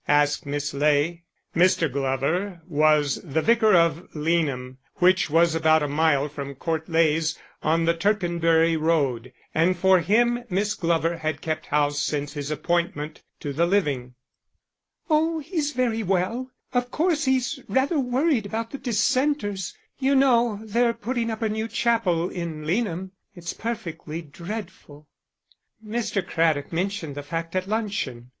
asked Miss Ley. Mr. Glover was the Vicar of Leanham, which was about a mile from Court Leys on the Tercanbury Road, and for him Miss Glover had kept house since his appointment to the living. "Oh, he's very well. Of course he's rather worried about the dissenters. You know they're putting up a new chapel in Leanham; it's perfectly dreadful." "Mr. Craddock mentioned the fact at luncheon."